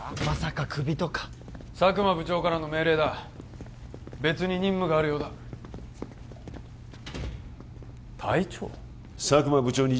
まさかクビとか佐久間部長からの命令だ別に任務があるようだ隊長？